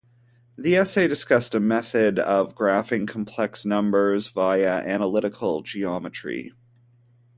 The Essay discussed a method of graphing complex numbers via analytical geometry.